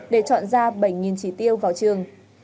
để chọn ra bảy trí tiêu vào trường